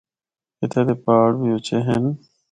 اِتھا دے پہاڑ بھی اُچے ہن۔